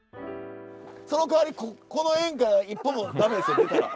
その代わりこの円から一歩も駄目ですよ出たら。